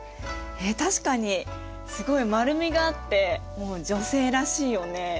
えっ確かにすごい丸みがあってもう女性らしいよね。